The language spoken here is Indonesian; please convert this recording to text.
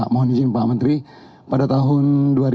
mohon izin pak menteri pada tahun